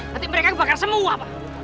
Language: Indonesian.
nanti mereka kebakar semua pak